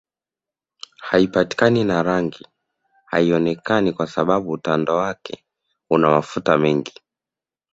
Haipatikani na rangi haionekani kwa sababu utando wake una mafuta mengi